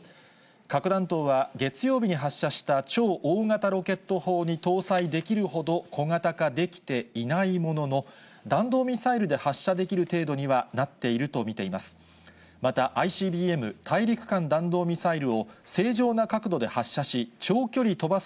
核弾頭は月曜日に発射した超大型ロケット砲に搭載できるほど小型化できていないものの、弾道ミサイルで発射できる程度にはなっていると見ています。